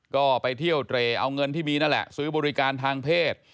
ก็ไปเที่ยวเตรเอาเงินที่มีนั่นแหละซื้อบริการทางเพศ